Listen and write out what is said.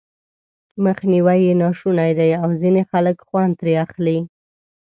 مخنيوی یې ناشونی دی او ځينې خلک خوند ترې اخلي.